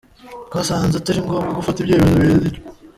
twasanze atari ngombwa gufata ibyemezo birenze icyo.